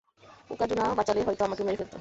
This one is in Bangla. কুজাকু না বাঁচালে হয়তো আমাকেও মেরে ফেলত।